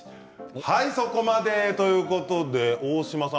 そこまで、ということで大島さん